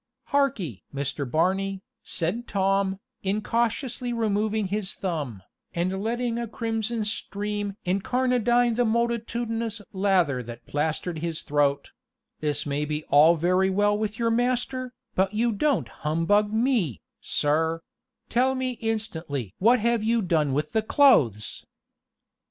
"Hark'ee! Mr. Barney," said Tom, incautiously removing his thumb, and letting a crimson stream "incarnadine the multitudinous" lather that plastered his throat "this may be all very well with your master, but you don't humbug me, sir: Tell me instantly what have you done with the clothes?"